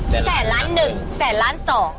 แสนล้านหนึ่งแสนล้านสอง